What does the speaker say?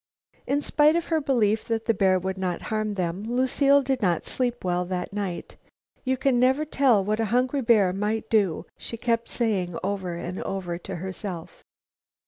In spite of her belief that the bear would not harm them, Lucile did not sleep well that night. "You can never tell what a hungry bear might do," she kept saying over and over to herself.